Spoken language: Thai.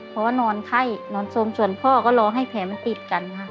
เพราะว่านอนไข้นอนสมส่วนพ่อก็รอให้แผลมันติดกันค่ะ